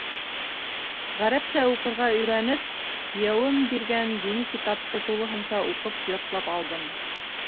Ғәрәпсә уҡырға өйрәнеп, кейәүем биргән дини китапты тулыһынса уҡып, ятлап алдым.